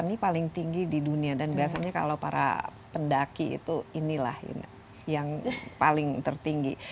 delapan delapan ratus empat puluh delapan ini paling tinggi di dunia dan biasanya kalau para pendaki itu inilah yang paling tertinggi